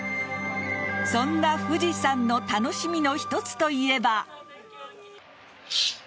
そんな富士山の楽しみの一つといえば。